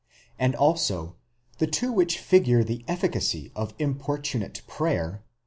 and also the two which figure the efficacy of importunate prayer (xi.